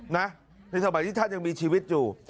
ในสมัยที่ท่านยังมีชีวิตอยู่